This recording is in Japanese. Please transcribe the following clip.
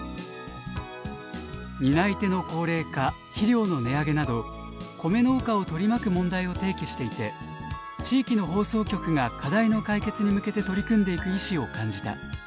「担い手の高齢化肥料の値上げなど米農家を取り巻く問題を提起していて地域の放送局が課題の解決に向けて取り組んでいく意思を感じた」